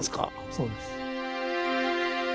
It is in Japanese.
そうです。